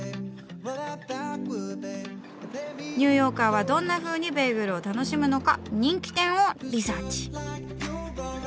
ニューヨーカーはどんなふうにベーグルを楽しむのか人気店をリサーチ。